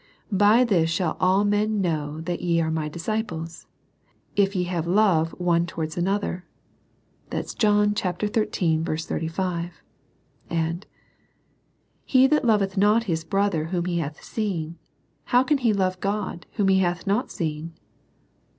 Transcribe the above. "By this shall all men know that ye are My disciples, if ye have love one towards another.'* (John xiii. 35.) " He that loveth not his brother whom he hath seen, how can he love God, whom he hath not seen?"